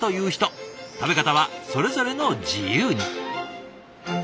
食べ方はそれぞれの自由に。